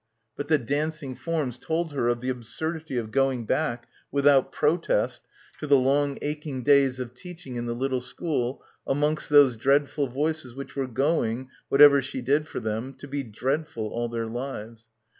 But the dancing forms told her of the ab surdity of going back without protest to the long aching days of teaching in the little school amongst those dreadful voices which were going, whatever she did for them, to be dreadful all their lives.